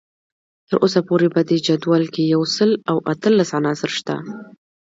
تر اوسه پورې په دې جدول کې یو سل او اتلس عناصر شته